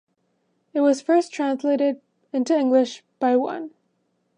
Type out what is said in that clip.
It was first translated into English by I.